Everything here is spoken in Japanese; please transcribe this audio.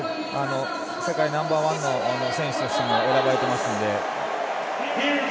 世界ナンバー１の選手にも選ばれていますので。